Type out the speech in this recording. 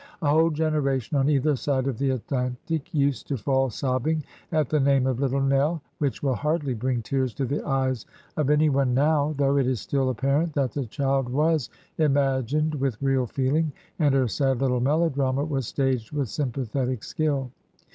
A whole generation, on either side of the At lantic, used to fall sobbing at the name of Little Nell, which will hardly bring tears to the eyes of any one now, though it is still apparent that the child was im agined with real feeling, and her sad little melodrama was staged with sympathetic skill.